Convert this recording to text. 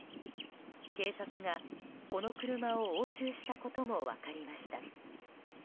警察が、この車を押収したことも分かりました。